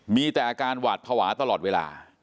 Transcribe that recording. มีแต่อาการหวาดภาวะตลอดเวลา